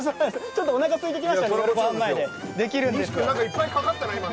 ちょっとおなかすいてきましたね。